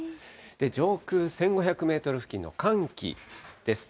上空１５００メートル付近の寒気です。